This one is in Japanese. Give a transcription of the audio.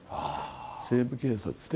西部警察で、